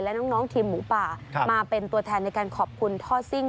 และน้องทีมหมูป่ามาเป็นตัวแทนในการขอบคุณท่อซิ่ง